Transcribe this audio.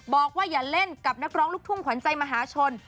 บอกว่าอย่าเล่นกับนักร้องลูกทุ่งขวัญใจมหาชน